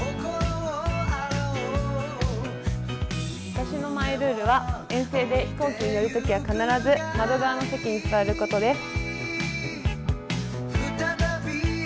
私のマイルールは遠征で飛行機に乗るときは必ず窓側の席に座ることです。